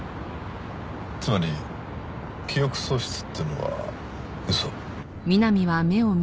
つまり記憶喪失っていうのは嘘。